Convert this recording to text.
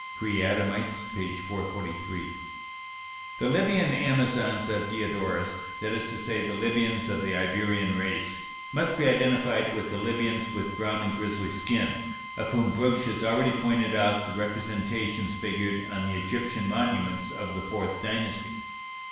("Preadamites," p. 443.) "The Libyan Amazons of Diodorus that is to say, the Libyans of the Iberian race must be identified with the Libyans with brown and grizzly skin, of whom Brugsch has already pointed out the representations figured on the Egyptian monuments of the fourth dynasty."